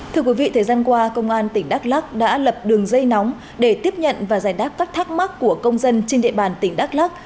thưa quý vị thời gian qua công an tỉnh đắk lắc đã lập đường dây nóng để tiếp nhận và giải đáp các thắc mắc của công dân trên địa bàn tỉnh đắk lắc